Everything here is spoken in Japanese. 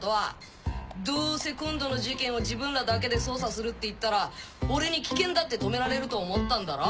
どうせ今度の事件を自分らだけで捜査するって言ったら俺に危険だって止められると思ったんだろ？